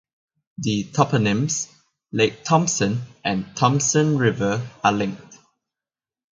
The toponyms "Lake Thompson" and "Thompson River" are linked.